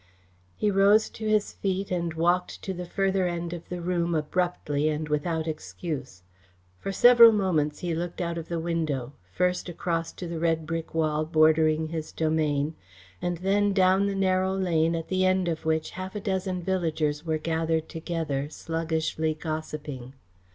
He rose to his feet and walked to the further end of the room abruptly and without excuse. For several moments he looked out of the window, first across to the red brick wall bordering his domain, and then down the narrow lane at the end of which half a dozen villagers were gathered together, sluggishly gossiping.